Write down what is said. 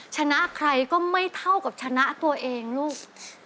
ชนะใครก็ไม่เท่ากับชนะตัวเองลูก